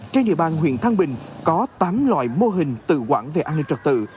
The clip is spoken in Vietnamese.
trên địa bàn huyện tân bình có tám loại mô hình tự quản về an ninh trực tự